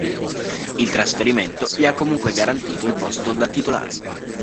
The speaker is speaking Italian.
Il trasferimento gli ha comunque garantito il posto da titolare.